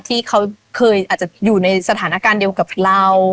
ที่เขาเคยอาจจะอยู่ในสถานการณ์เดียวกับเรา